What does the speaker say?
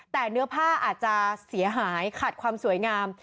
แต่เนื้อผ้าอาจจะเสียหายขาดความสวยงาม